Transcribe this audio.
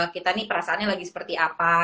kita nih perasaannya lagi seperti apa